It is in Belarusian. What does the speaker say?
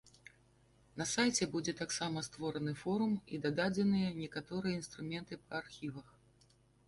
На сайце будзе таксама створаны форум і дададзеныя некаторыя інструменты па архівах.